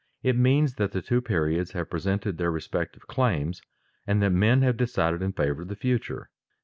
It means that the two periods have presented their respective claims and that men have decided in favor of the future.